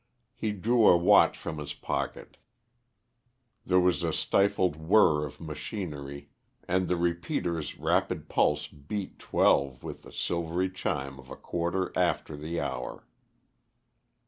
He drew a watch from his pocket; there was a stifled whirr of machinery, and the repeater's rapid pulse beat twelve with the silvery chime of a quarter after the hour.